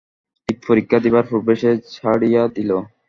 ঠিক পরীক্ষা দিবার পূর্বেই সে ছাড়িয়া দিল।